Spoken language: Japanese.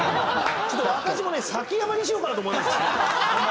ちょっと私もね「サキヤマ」にしようかなと思いました。